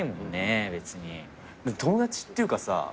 友達っていうかさ